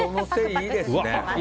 いいですよね